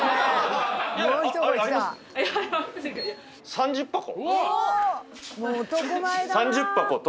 ３０箱と。